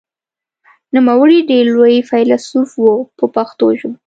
نوموړی ډېر لوی فیلسوف و په پښتو ژبه.